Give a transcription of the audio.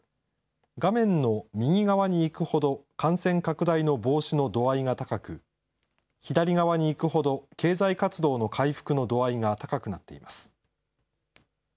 画面の右側に行くほど感染拡大の防止の度合いが高く、左側に行くほど経済活動の回復の度合いが高くなっています。